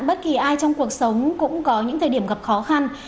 bất kỳ ai trong cuộc sống cũng có những thời điểm gặp khó khăn